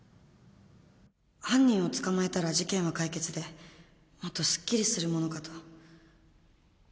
犯人を捕まえたら事件は解決でもっとすっきりするものかと